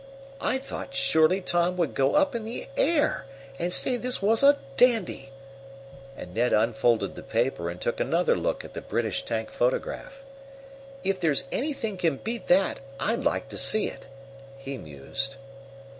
I thought surely Tom would go up in the air, and say this was a dandy," and Ned unfolded the paper and took another look at the British tank photograph. "If there's anything can beat that I'd like to see it," he mused.